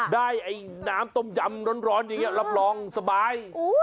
ไอ้น้ำต้มยำร้อนอย่างนี้รับรองสบาย